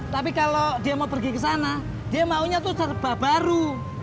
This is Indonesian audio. tapi kalau dia mau pergi ke sana dia maunya tuh serba baru